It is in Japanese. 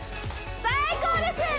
最高です！